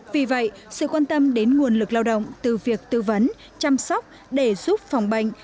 vì vậy sự quan tâm đến nguồn lực lao động từ việc tư vấn chăm sóc để giúp phòng bệnh